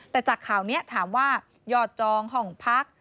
แต่จากข่าวนี้ถามว่ายอดจองห้องพัก